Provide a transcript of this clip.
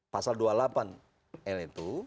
pasal dua puluh delapan l itu